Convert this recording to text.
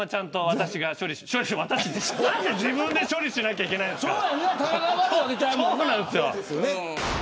何で自分で処理しなきゃいけないんですか。